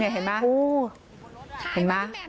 เห็นมั้ย